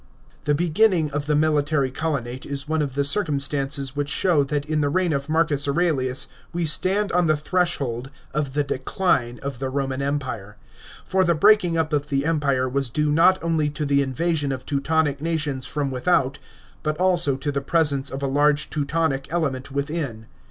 The beginning of the military colonate is one of the circum 550 PRINClPATE OF MARCUS AURELIUS. CHAP. xxvm. stances w' ich show that in the reign of Marcus Aurelins we stand ou the threshold of the Decline of the Roman Empire. For the breaking up of the Empire was due not only to the invasion of Teutonic nations from without, but also to the presence of a large Teutonic element, within.